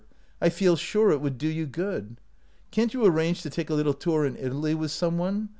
I feel sure it would do you good. Can't you arrange to take a little tour in Italy with some one?